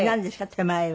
手前は。